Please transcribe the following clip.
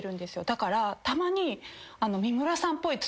だからたまに。